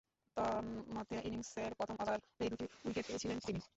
তন্মধ্যে ইনিংসের প্রথম ওভারেই দুই উইকেট পেয়েছিলেন তিনি।